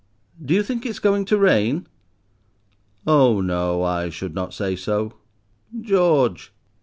Do you think it's going to rain?" "Oh no, I should not say so." "George."